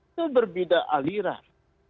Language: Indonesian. itu berbeda aliran